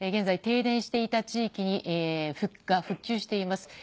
停電していた地域が復旧しています。